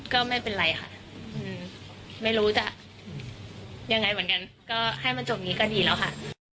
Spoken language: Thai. ก็ไม่เป็นไรค่ะไม่รู้จะยังไงเหมือนกันก็ให้มันจบนี้ก็ดีแล้วค่ะ